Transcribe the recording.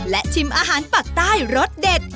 และชิมอาหารปากใต้รสเด็ด